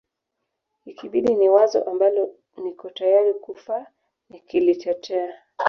ikibidi ni wazo ambalo niko tayari kufa nikilitetea